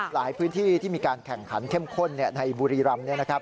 หลายพื้นที่ที่มีการแข่งขันเข้มข้นในบุรีรำ